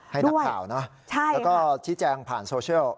ให้นักข่าวแล้วก็ชี้แจงผ่านโซเชียล